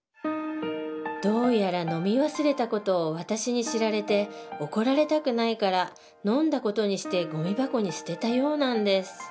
どうやら飲み忘れた事を私に知られて怒られたくないから飲んだ事にしてごみ箱に捨てたようなんです